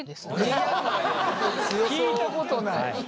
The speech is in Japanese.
聞いたことない。